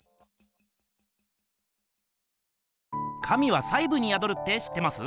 「神は細ぶにやどる」って知ってます？